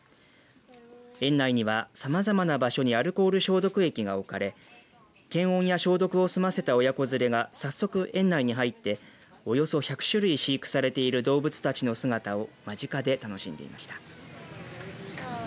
園内には、さまざまな場所にアルコール消毒液が置かれ検温や消毒を済ませた親子連れが早速園内に入って、およそ１００種類飼育されている動物たちの姿を間近で楽しんでいました。